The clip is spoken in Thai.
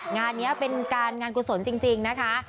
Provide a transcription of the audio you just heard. งานนี้เป็นการงานกุศลจริงนะคะ